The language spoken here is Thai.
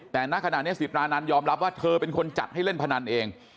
แต่ณขณะนี้สิตรานันยอมรับว่าเธอเป็นคนจัดให้เล่นพนันเอง